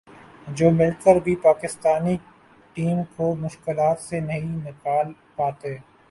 جو مل کر بھی پاکستانی ٹیم کو مشکلات سے نہیں نکال پاتے